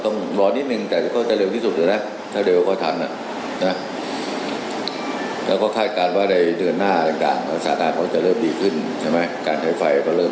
ในรอบ๔เดือนนี้ใช่ไหมครับ